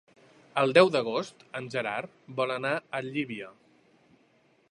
El deu d'agost en Gerard vol anar a Llívia.